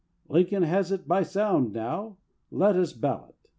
"Lincoln has it by sound now; let us ballot!"